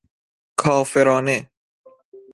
کافرانه